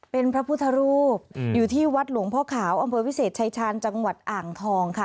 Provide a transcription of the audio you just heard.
เป็นพระพุทธรูปอยู่ที่วัดหลวงพ่อขาวอำเภอวิเศษชายชาญจังหวัดอ่างทองค่ะ